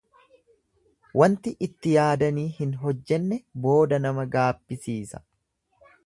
Wanti itti yaadanii hin hojjenne booda nama gaabbisiisa.